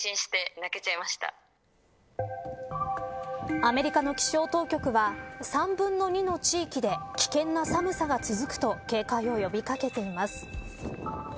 アメリカの気象当局は３分の２の地域で危険な寒さが続くと警戒を呼び掛けています。